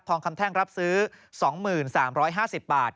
คำแท่งรับซื้อ๒๓๕๐บาท